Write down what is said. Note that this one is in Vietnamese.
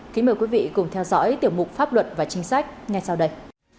kính mời quý vị cùng theo dõi tiểu mục pháp luật và chính sách ngay sau đây